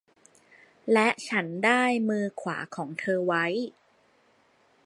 และฉันได้มือขวาของเธอไว้